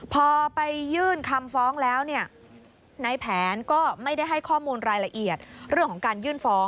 พอไปยื่นคำฟ้องแล้วเนี่ยในแผนก็ไม่ได้ให้ข้อมูลรายละเอียดเรื่องของการยื่นฟ้อง